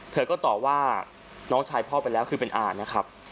เธอก็ตอบว่าน้องชายพ่อไปแล้วคือเป็นอานะครับ